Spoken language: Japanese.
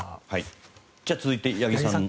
じゃあ続いて八木さん。